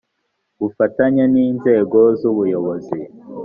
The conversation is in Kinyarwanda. bufatanye n inzego z ubuyobozi